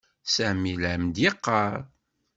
Sami la am-d-yeɣɣar.